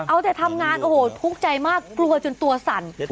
เอาแต่ทำงานโอ้โหทุกข์ใจมากกลัวจนตัวสั่น